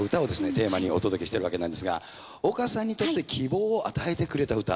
テーマにお届けしているわけなんですが丘さんにとって希望を与えてくれた歌。